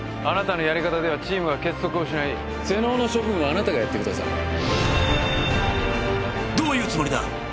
あなたのやり方ではチームが結束を失い瀬能の処分はあなたがやってくださいどういうつもりだ？